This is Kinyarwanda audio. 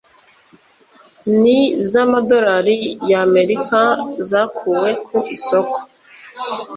n’ z’amadolari y’amerika zakuwe ku isoko